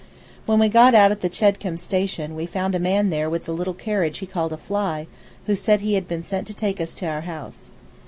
When we got out at the Chedcombe station we found a man there with a little carriage he called a fly, who said he had been sent to take us to our house.